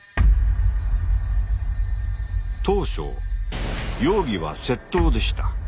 当初容疑は窃盗でした。